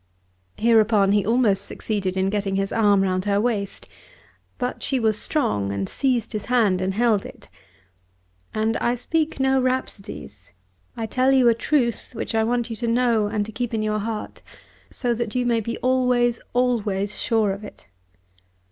Hereupon he almost succeeded in getting his arm round her waist. But she was strong, and seized his hand and held it. "And I speak no rhapsodies. I tell you a truth which I want you to know and to keep in your heart, so that you may be always, always sure of it."